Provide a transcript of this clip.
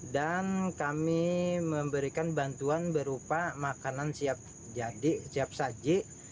dan kami memberikan bantuan berupa makanan siap saji